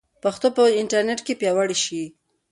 پښتو به په انټرنیټ کې پیاوړې شي.